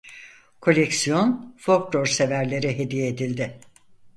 Koleksiyon folklor severlere hediye edildi.